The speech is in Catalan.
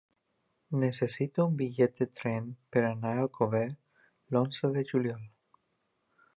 Necessito un bitllet de tren per anar a Alcover l'onze de juliol.